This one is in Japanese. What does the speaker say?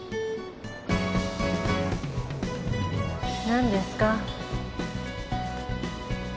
何ですか？